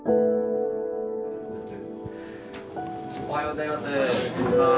おはようございます。